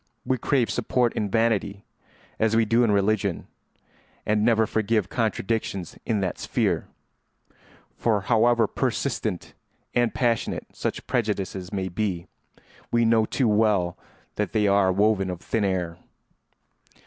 We crave support in vanity, as we do in religion, and never forgive contradictions in that sphere; for however persistent and passionate such prejudices may be, we know too well that they are woven of thin air.